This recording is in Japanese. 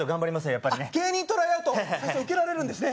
やっぱり芸人トライアウト受けられるんですね